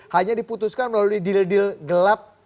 hanya diputuskan melalui deal deal gelap